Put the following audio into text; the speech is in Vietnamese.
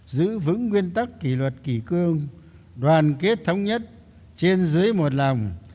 giữ vững nguyên tắc kỷ luật kỷ cương đoàn kết thống nhất trên dưới một lòng